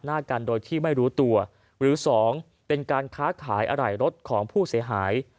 หน้ากันโดยที่ไม่รู้ตัวหรือสองเป็นการค้าขายอะไหล่รถของผู้เสียหาย